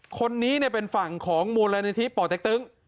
คนนี้เป็นฝั่งของมูลนิธิป่อเต็กตึง